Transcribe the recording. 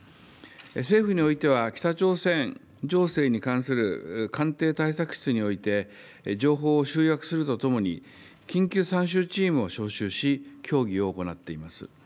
政府においては、北朝鮮情勢に関する官邸対策室において、情報を集約するとともに、緊急参集チームを招集し、協議を行っています。